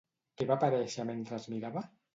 Què va aparèixer mentre es mirava?